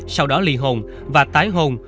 sau đó lì hồn và tái hồn